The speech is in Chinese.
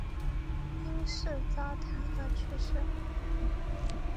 因事遭弹劾去世。